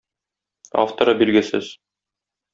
Авторы билгесез.